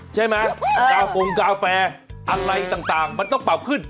ใช่ไหมกาโฟงกาแฟอะไรต่างมันต้องปรับขึ้น